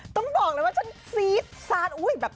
ต้องบอกเลยว่าฉันซี๊ดซานอุ้ยแบบ